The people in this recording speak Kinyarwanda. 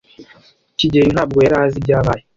kigeli ntabwo yari azi ibyabaye.